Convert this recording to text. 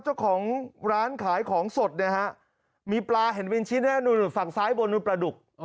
เจ้าของร้านขายของสดเนี่ยฮะมีปลาเห็นเป็นชิ้นฝั่งซ้ายบนนู่นปลาดุก